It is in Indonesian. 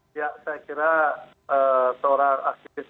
saya kira seorang aktivis